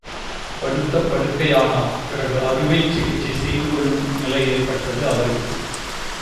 படுத்த படுக்கையானார் பிறகு அறுவைச் சிகிச்சை செய்து கொள்ளும் நிலையேற்பட்டது அவருக்கு!